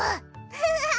ハハハ